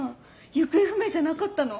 行方不明じゃなかったの？